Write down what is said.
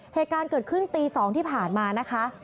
เหตุการณ์เกิดขึ้นตี๒ที่ผ่านมานะคะ